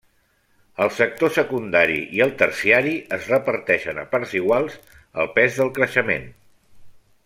El sector secundari i el terciari es reparteixen a parts iguals el pes del creixement.